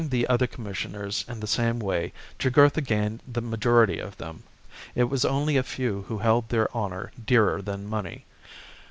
XVII. THE JUGURTHINE WAR. I41 other commissioners in the same way, J ugurtha gained chap. the majority of them : it was only a few who held their honour dearer than money.